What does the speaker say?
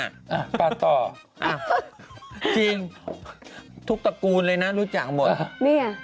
อ่ะกต่ออ๊าจริงทุกตระกูดเลยนะรู้จักหมดเนี่ยนี่ไง